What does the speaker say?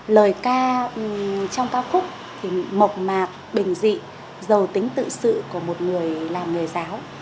lời ca trong ca khúc thì mộc mạc bình dị giàu tính tự sự của một người làm nghề giáo